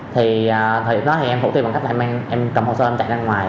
thì thời điểm đó thì em thủ tiêu bằng cách là em cầm hồ sơ em chạy ra ngoài